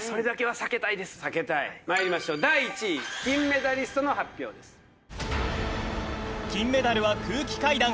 避けたいまいりましょう第１位金メダリストの発表です